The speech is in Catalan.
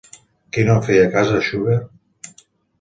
Qui no feia cas a Schubert?